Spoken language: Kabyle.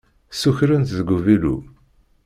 Ssukren-t deg uvilu.